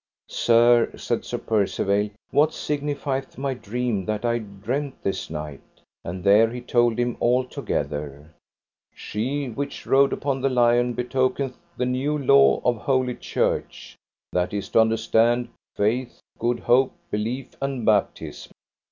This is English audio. Sir, said Sir Percivale, what signifieth my dream that I dreamed this night? And there he told him altogether: She which rode upon the lion betokeneth the new law of holy church, that is to understand, faith, good hope, belief, and baptism.